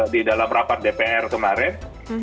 di dalam rapat dpr kemarin